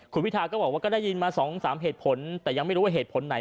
คุณพิทาก็บอกว่าก็ได้ยินมา๒๓เหตุผลแต่ยังไม่รู้ว่าเหตุผลไหน